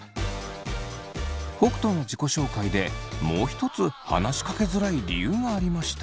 北斗の自己紹介でもう一つ話しかけづらい理由がありました。